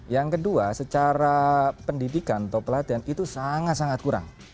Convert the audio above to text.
yang kedua secara pendidikan atau pelatihan itu sangat sangat kurang